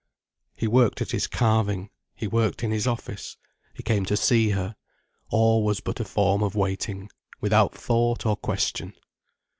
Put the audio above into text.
He worked at his carving, he worked in his office, he came to see her; all was but a form of waiting, without thought or question.